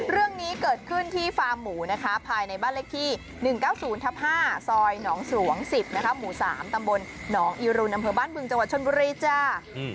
เรื่องนี้เกิดขึ้นที่ฟาร์มหมูนะคะภายในบ้านเลขที่๑๙๐ทับ๕ซอยหนองสวง๑๐หมู่๓ตำบลหนองอีรุนอำเภอบ้านบึงจังหวัดชนบุรีจ้า